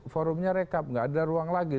forumnya rekap nggak ada ruang lagi